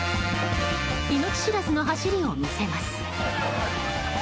命知らずの走りを見せます。